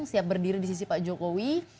siap berdiri di sisi pak jokowi